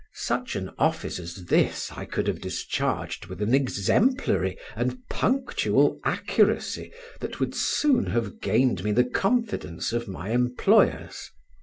Such an office as this I could have discharged with an exemplary and punctual accuracy that would soon have gained me the confidence of my employers.